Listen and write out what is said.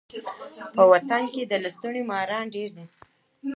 په وطن کي د لستوڼي ماران ډیر دي.